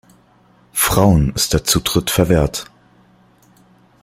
Frauen ist der Zutritt verwehrt.